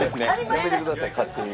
やめてください勝手に。